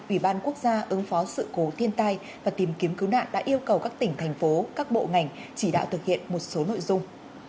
ủy ban quốc gia ứng phó sự cố thiên tai và tìm kiếm cứu nạn đã yêu cầu các tỉnh thành phố các bộ ngành chỉ đạo thực hiện một số nội dung